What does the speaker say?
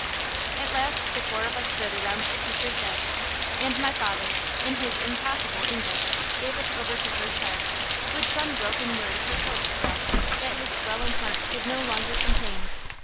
At last the four of us stood around the teacher's desk; and my father, in his impossible English, gave us over in her charge, with some broken word of his hopes for us that his swelling heart could no longer contain.